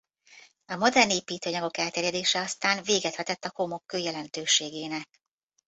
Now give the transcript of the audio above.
A modern építőanyagok elterjedése aztán véget vetett a homokkő jelentőségének.